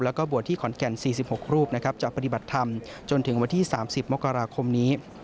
แล้วก็บวชที่ขอนแก่น๔๖รูปนะครับจะปฏิบัติธรรมจนถึงวันที่๓๐มกราคมนี้